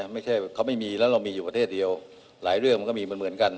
ไม่ใช่เขาไม่มีแล้วเรามีอยู่ประเทศเดียวหลายเรื่องมันก็มีเหมือนกัน